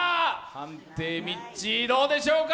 判定、ミッチーどうでしょうか？